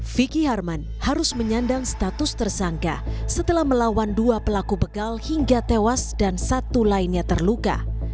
vicky harman harus menyandang status tersangka setelah melawan dua pelaku begal hingga tewas dan satu lainnya terluka